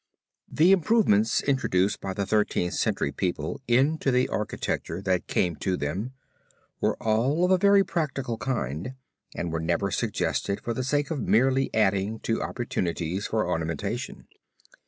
The improvements introduced by the Thirteenth Century people into the architecture that came to them, were all of a very practical kind, and were never suggested for the sake of merely adding to opportunities for ornamentation.